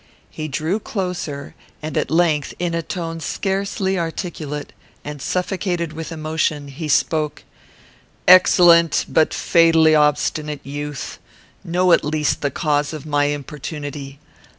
He drew closer, and at length, in a tone scarcely articulate, and suffocated with emotion, he spoke: "Excellent but fatally obstinate youth! Know at least the cause of my importunity.